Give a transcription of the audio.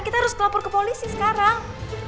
kita harus lapor ke polisi sekarang